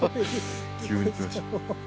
急にきました。